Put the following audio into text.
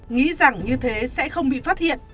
nghĩ rằng như thế sẽ không bị phát hiện